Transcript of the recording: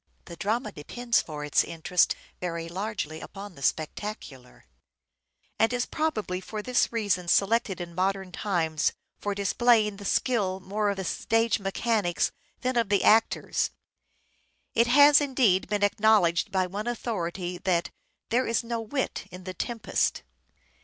The drama depends for its interest very largely upon the spectacular, and is probably for this reason selected in modern times for displaying the skill more of the stage mechanics than of the actors. It has, indeed, been acknowledged by one authority that " there is no wit in ' The Tempest.'